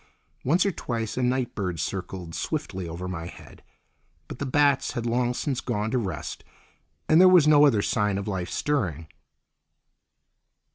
Once or twice a night bird circled swiftly over my head, but the bats had long since gone to rest, and there was no other sign of life stirring.